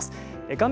画面